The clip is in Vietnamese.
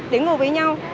đến ngồi với nhau